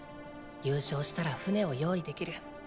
優勝したら船を用意できる。